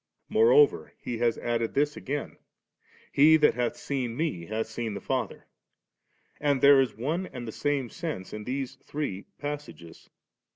Moreover, He has added this again, 'He that hath seen Me, hath seen the Father*;' and there is one and the same sense in these three^ passages.